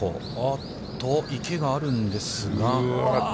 あっと、池があるんですが。